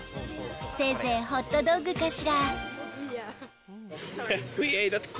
せいぜいホットドッグかしら。